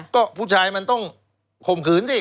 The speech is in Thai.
ก็ผู้ชายมันต้องข่มขืนสิ